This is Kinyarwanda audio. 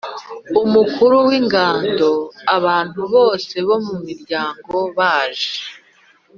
umukuru w ingando Abantu bose bo mu miryango baje